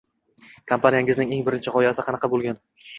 Kompaniyangizning eng birinchi gʻoyasi qanaqa boʻlgan.